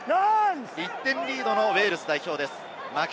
１点リードのウェールズ代表です。